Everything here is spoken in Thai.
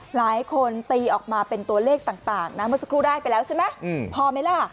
หลายคนตีออกมาเป็นตัวเลขต่างนะเมื่อสักครู่ได้ไปแล้วใช่ไหมพอไหมล่ะ